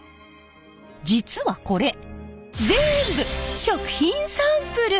実はこれぜんぶ食品サンプル！